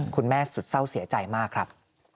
คุณแม่สุดเศร้าเสียใจมากครับ